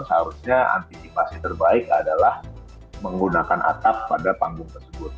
seharusnya antisipasi terbaik adalah menggunakan atap pada panggung tersebut